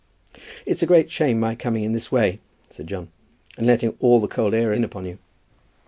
"It's a great shame my coming in this way," said John, "and letting all the cold air in upon you."